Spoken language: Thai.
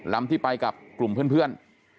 ลำที่ไปกับกลุ่มเพื่อน